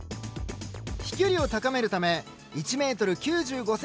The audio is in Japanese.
飛距離を高めるため１ｍ９５ｃｍまで展開。